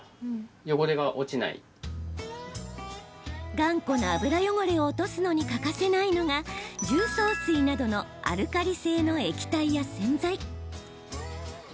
頑固な油汚れを落とすのに欠かせないのが重曹水などのアルカリ性の液体や洗剤。